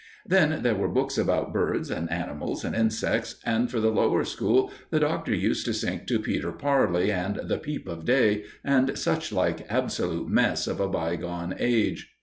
Then there were books about birds and animals and insects, and for the Lower School the Doctor used to sink to "Peter Parley" and the "Peep of Day," and such like absolute mess of a bygone age.